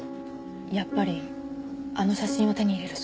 やっぱりあの写真を手に入れるしかないわ。